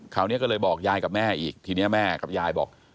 คราวนี้ก็เลยบอกยายกับแม่อีกทีนี้แม่กับยายบอก